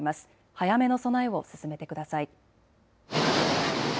早めの備えを進めてください。